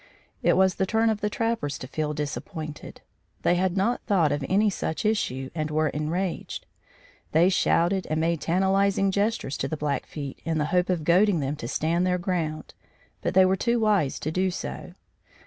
It was the turn of the trappers to feel disappointed. They had not thought of any such issue and were enraged. They shouted and made tantalizing gestures to the Blackfeet, in the hope of goading them to stand their ground, but they were too wise to do so.